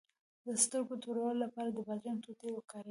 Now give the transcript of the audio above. د سترګو د توروالي لپاره د بادرنګ ټوټې وکاروئ